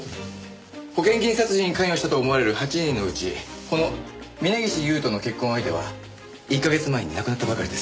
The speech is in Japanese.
保険金殺人に関与したと思われる８人のうちこの峰岸勇人の結婚相手は１か月前に亡くなったばかりです。